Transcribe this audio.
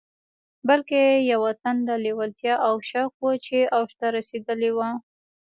بلکې يوه تنده، لېوالتیا او شوق و چې اوج ته رسېدلی و.